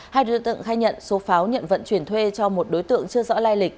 hai đối tượng khai nhận số pháo nhận vận chuyển thuê cho một đối tượng chưa rõ lai lịch